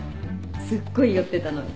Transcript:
すっごい酔ってたのに。